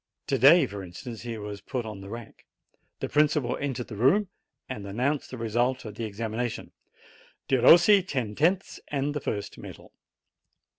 To day for instance, he was put on the rack. The principal entered the room and an nounced th f : result ,:' the examination, "D': n tenths and the first medal